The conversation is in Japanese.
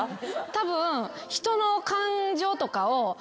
たぶん。